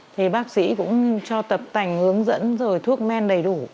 thì bác sĩ cũng cho tập tành hướng dẫn rồi thuốc men đầy đủ